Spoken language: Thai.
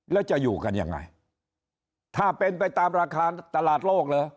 แล้วจะอยู่กันยังไงถ้าเป็นไปตามราคาตลาดโลกเหรอ